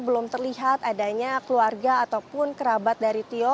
belum terlihat adanya keluarga ataupun kerabat dari tio